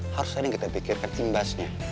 harusnya ini kita pikirkan imbasnya